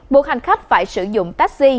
buộc hành khách phải sử dụng taxi